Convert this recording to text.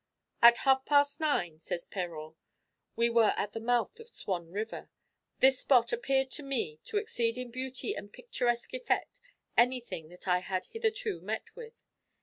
"At half past nine," says Péron, "we were at the mouth of Swan River. This spot appeared to me to exceed in beauty and picturesque effect anything that I had hitherto met with.